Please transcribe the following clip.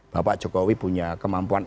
bapak jokowi punya kemampuan